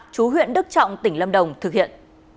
chú huyện đức trọng tỉnh lâm đồng thực hiện